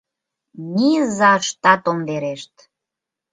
Низаштат ом верешт.